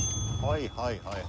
はいはい。